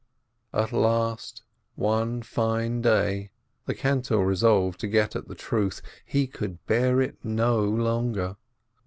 At last, one fine day, the cantor resolved to get at the truth: he could bear it no longer.